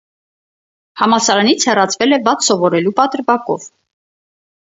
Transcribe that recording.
Համալսարանից հեռացվել է վատ սովորելու պատրվակով։